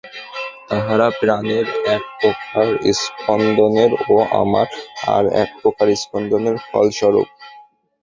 তাহারা প্রাণের এক প্রকার স্পন্দনের ও আমরা আর এক প্রকার স্পন্দনের ফলস্বরূপ।